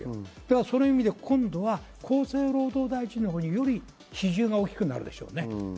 その意味で今回は厚生労働大臣の比重がより大きくなるでしょうね。